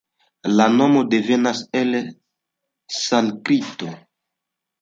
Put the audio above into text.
La nomo devenas el la sanskrito.